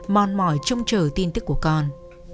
mòn mỏi trông chờ tin tức của con